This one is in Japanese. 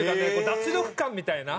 脱力感みたいな。